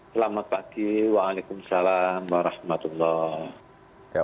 selamat pagi waalaikumsalam warahmatullahi wabarakatuh